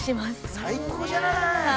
◆最高じゃない。